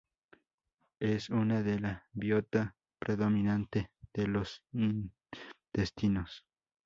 Es una de la biota predominante de los intestinos.